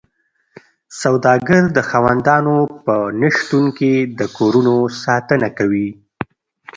سوداګر د خاوندانو په نشتون کې د کورونو ساتنه کوي